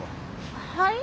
はい？